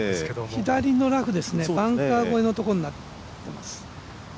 左のラフですねバンカー越えのところになります。